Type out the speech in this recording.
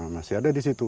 masih ada di situ